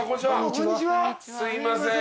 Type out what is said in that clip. すいません